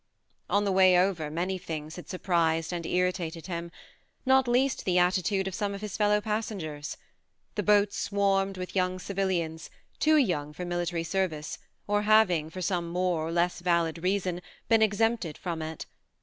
On the way over many things had surprised and irritated him not least the attitude of some of his fellow passengers. The boat swarmed with young civilians, too young for military service, or having, for some more or less valid reason, been exempted from it.